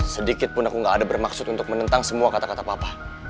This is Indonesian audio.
sedikitpun aku gak ada bermaksud untuk menentang semua kata kata papa